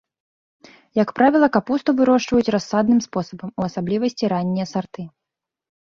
Як правіла, капусту вырошчваюць рассадным спосабам, у асаблівасці раннія сарты.